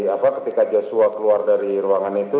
apa ketika joshua keluar dari ruangan itu